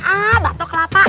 aaa batok kelapa